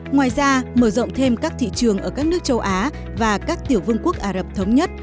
ngoài ra mở rộng thêm các thị trường ở các nước châu á và các tiểu vương quốc ả rập thống nhất